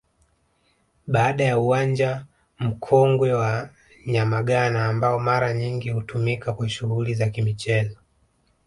Baada ya Uwanja Mkongwe wa Nyamagana ambao mara nyingi hutumika kwa shughuli za Kimichezo